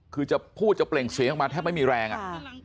คือจะพูดจะเปล่งเสียงออกมาแทบไม่มีแรงอ่ะ